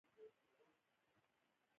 امریکایانو له جاپان څخه امتیازات وغوښتل.